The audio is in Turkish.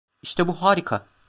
İşte bu harika.